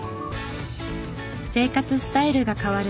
生活スタイルが変わる